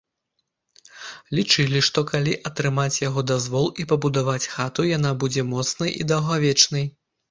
Лічылі, што, калі атрымаць яго дазвол і пабудаваць хату, яна будзе моцнай і даўгавечная.